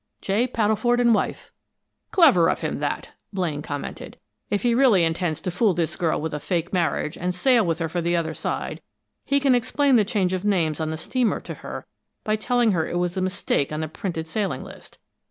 "J. Padelford and wife." "Clever of him, that!" Blaine commented. "If he really intends to fool this girl with a fake marriage and sail with her for the other side, he can explain the change of names on the steamer to her by telling her it was a mistake on the printed sailing list.